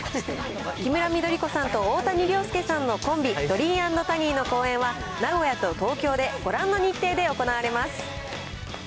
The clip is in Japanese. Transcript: キムラ緑子さんと大谷亮介さんのコンビ、ドリー＆タニーの公演は、名古屋と東京でご覧の日程で行われます。